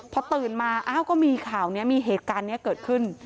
พอตื่นมาอ้าวก็มีข่าวนี้มีเหตุการณ์นี้เกิดขึ้น